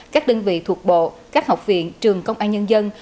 các đơn vị thuộc bộ các học viện trường công an nhân dân